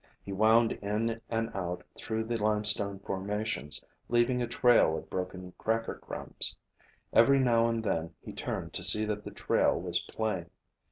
He wound in and out through the limestone formations, leaving a trail of broken cracker crumbs. Every now and then he turned to see that the trail was plain.